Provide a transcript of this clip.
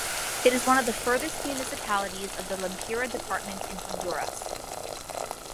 It is one of the furthest municipalities of the Lempira department in Honduras.